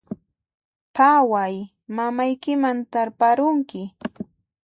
Phaway, mamaykiman tarparunki